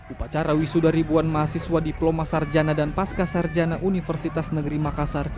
upacara wisuda ribuan mahasiswa diploma sarjana dan pasca sarjana universitas negeri makassar